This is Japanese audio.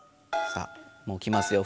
さあもうきますよ